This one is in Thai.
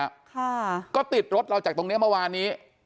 ไม่ใช่แล้วก็ติดรถเราจากตรงนี้เมื่อวานี้